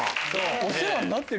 お世話になってる。